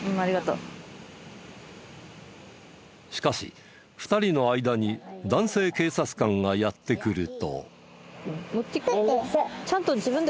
しかし２人の間に男性警察官がやって来ると。